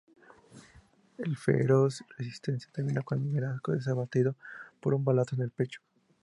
La feroz resistencia termina cuando Velasco es abatido por un balazo en el pecho.